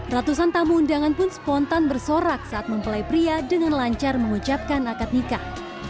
ratusan tamu undangan pun spontan bersorak saat mempelai pria dengan lancar mengucapkan akad nikah